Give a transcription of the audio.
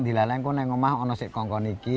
dila lain kan yang rumah orang si kongkong ini